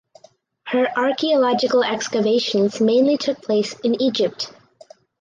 Her archaeological excavations mainly took place in Egypt.